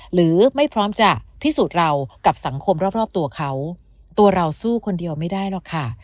หรือไม่พร้อมจะพิสูจน์เรากับสังคมรอบตัวเขาตัวเราสู้คนเดียวไม่ได้หรอกค่ะ